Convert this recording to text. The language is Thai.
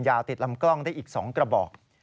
ติดลำกล้องได้อีก๒กระบอก